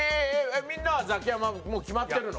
みんなはザキヤマもう決まってるの？